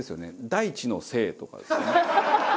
大地の精とかですよね。